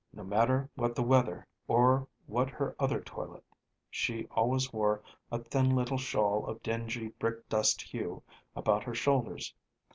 No matter what the weather or what her other toilet, she always wore a thin little shawl of dingy brick dust hue about her shoulders.